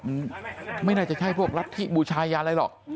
มันไม่น่าจะใช่พวกรัฐธิบูชายันอะไรหรอก